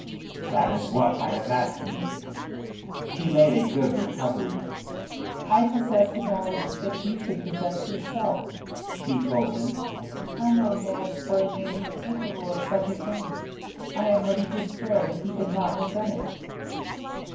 "That is what I am asking." She made a good recovery. "I possess the knowledge that you should possess yourself," she told him. "I know Ned for a man incapable of such a thing. I am ready to swear that he could not have done it."